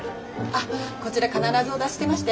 あこちら必ずお出ししてまして。